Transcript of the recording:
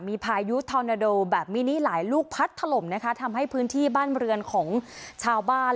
มีพายุทอนาโดแบบมินิหลายลูกพัดถล่มนะคะทำให้พื้นที่บ้านเรือนของชาวบ้าน